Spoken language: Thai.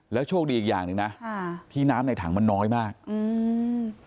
โชคดีอีกอย่างหนึ่งนะค่ะที่น้ำในถังมันน้อยมากอืม